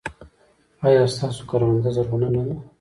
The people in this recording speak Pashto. ایا ستاسو کرونده زرغونه نه ده؟